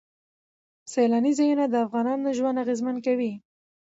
سیلانی ځایونه د افغانانو ژوند اغېزمن کوي.